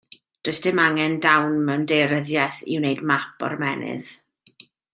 Does dim angen dawn mewn daearyddiaeth i wneud map o'r ymennydd